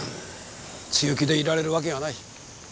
強気でいられるわけがない。